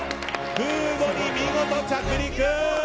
空母に見事着陸！